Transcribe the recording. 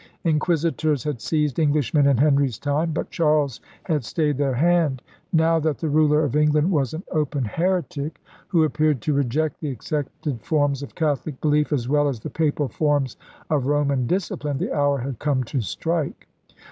Inquisitors had seized Englishmen in Henry's time. But Charles had stayed their hand. Now that the ruler of England was an open heretic, who 30 ELIZABETHAN SEA DOGS appeared to reject the accepted forms of Catholic belief as well as the Papal forms of Roman disci pline, the hour had come to strike.